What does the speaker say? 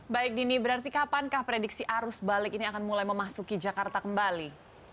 baik dini berarti kapankah prediksi arus balik ini akan mulai memasuki jakarta kembali